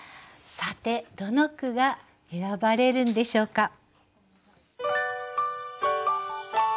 さてどの句が選ばれるんでしょうか？